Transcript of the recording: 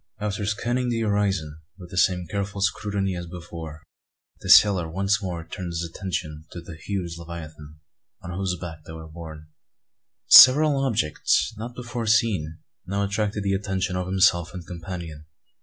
After scanning the horizon with the same careful scrutiny as before, the sailor once more turned his attention to the huge leviathan, on whose back they were borne. Several objects not before seen now attracted the attention of himself and companion.